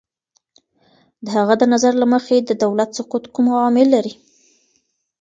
د هغه د نظر له مخې، د دولت سقوط کوم عوامل لري؟